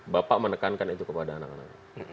bapak menekankan itu kepada anak anak